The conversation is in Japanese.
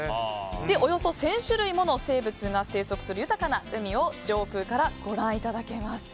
およそ１０００種類もの生物が生息する豊かな海を上空からご覧いただけます。